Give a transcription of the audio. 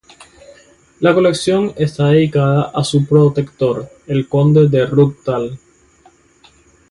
La colección está dedicada a su protector, el conde de Rutland.